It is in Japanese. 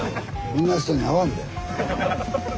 こんな人に会わんで。